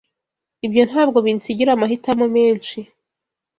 Ibyo ntabwo binsigira amahitamo menshi.